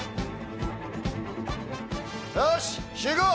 よし集合！